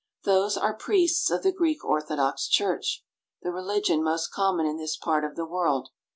Those are priests of the Greek Orthodox Church, the religion most common in this part of the world.